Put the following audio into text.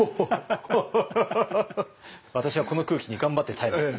私はこの空気に頑張って耐えます。